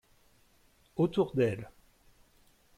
Autour d'elle.